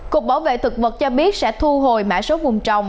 cục bảo vệ thực vật cho biết sẽ thu hồi mã số vùng trồng